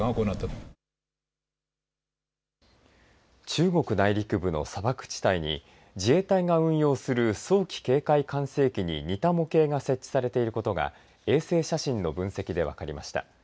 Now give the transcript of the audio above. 中国内陸部の砂漠地帯に自衛隊が運用する早期警戒管制機に似た模型が設置されていることが衛星写真の分析で分かりました。